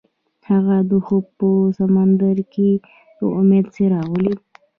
هغه د خوب په سمندر کې د امید څراغ ولید.